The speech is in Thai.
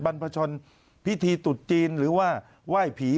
บรรพชนพิธีตุดจีนหรือว่าไหว้ผี